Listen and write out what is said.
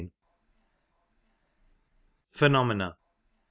82 PHENOMENA.